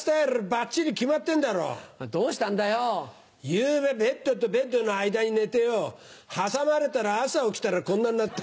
昨夜ベッドとベッドの間に寝てよ挟まれたら朝起きたらこんなんなって。